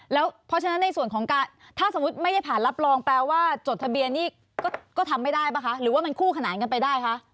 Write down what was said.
เพราะฉะนั้นในส่วนของการถ้าสมมุติไม่ได้ผ่านรับรองแปลว่าจดทะเบียนนี่ก็ทำไม่ได้ป่ะคะหรือว่ามันคู่ขนานกันไปได้คะ